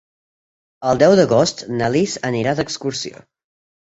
El deu d'agost na Lis anirà d'excursió.